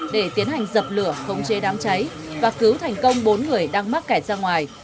để tiến hành dập lửa khống chế đám cháy và cứu thành công bốn người đang mắc kẻ ra ngoài